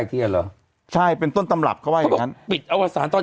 เทียนเหรอใช่เป็นต้นตำรับเขาว่าอย่างงั้นปิดอวสารตอน